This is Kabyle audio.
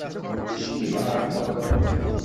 Acimi tεeṭṭel?